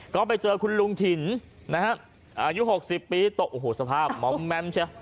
ก็ไปเจอคุณลุงถิ่นนะฮะอายุ๖๐ปีตกโอ้โหสภาพมอมแมมเชียว